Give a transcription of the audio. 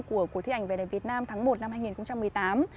của cuộc thi ảnh về đẹp việt nam tháng một năm hai nghìn một mươi tám